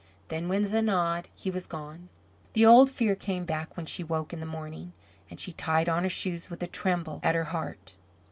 Then, with a nod, he was gone. The old fear came back when she woke in the morning, and she tied on her shoes with a tremble at her heart.